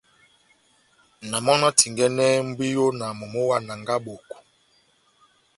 Na mɔ́ na tingɛnɛhɛ mbwiyo na momó wa Nanga-Eboko.